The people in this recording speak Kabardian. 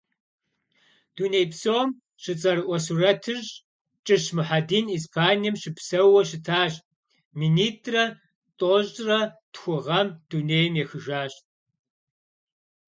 Дунейпсом щыцӏэрыӏуэ сурэтыщӏ, Кӏыщ Мухьэдин Испанием щыпсэууэ щытащ, минитӏырэ тӏощӏырэ тху гъэм дунейм ехыжащ.